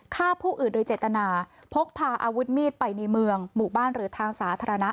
ฆ่าผู้อื่นโดยเจตนาพกพาอาวุธมีดไปในเมืองหมู่บ้านหรือทางสาธารณะ